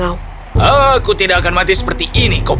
aku tidak akan mati lepas pacaran kau